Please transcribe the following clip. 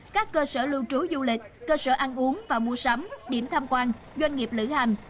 các cơ sở lưu trú du lịch cơ sở ăn uống và mua sắm điểm tham quan doanh nghiệp lữ hành